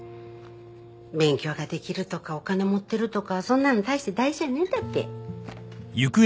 勉強ができるとかお金持ってるとかそんなの大して大事じゃねえんだって。